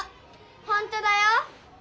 ほんとだよ。